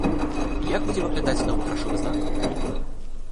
Як будзе выглядаць новы грашовы знак?